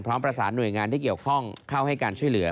ประสานหน่วยงานที่เกี่ยวข้องเข้าให้การช่วยเหลือ